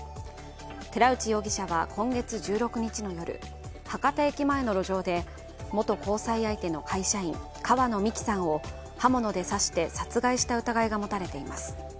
寺内容疑者は今月１６日の夜博多駅前の路上で元交際相手の会社員・川野美樹さんを刃物で刺して殺害した疑いが持たれています。